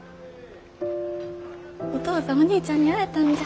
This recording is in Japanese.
お父さんお兄ちゃんに会えたんじゃ。